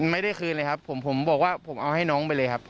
ไม่ได้คืนเลยครับผมบอกว่าผมเอาให้น้องไปเลยครับ